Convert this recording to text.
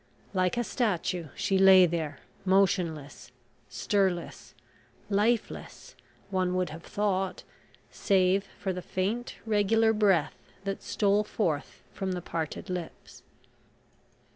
Like a statue, she lay there, motionless, stirless; lifeless, one would have thought, save for the faint regular breath that stole forth from the parted lips.